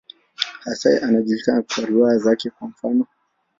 Hasa anajulikana kwa riwaya zake, kwa mfano.